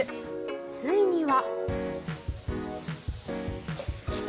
ついには。